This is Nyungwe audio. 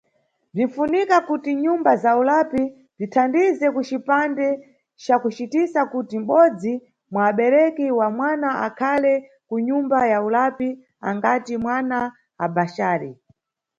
Bzinʼfunika kuti nyumba za ulapi bzithandize kucipande cakucitisa kuti mʼbodzi mwa abereki wa mwana akhale kunyumba ya ulapi angati mwana abhaxali.